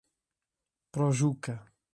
Pojuca